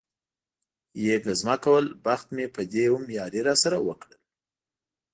یې ګزمه کول، بخت مې په دې هم یاري را سره وکړل.